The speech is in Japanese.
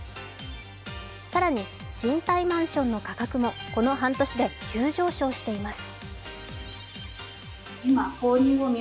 更に、賃貸マンションの価格もこの半年で急上昇しています。